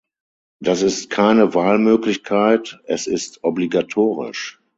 Das ist keine Wahlmöglichkeit, es ist obligatorisch.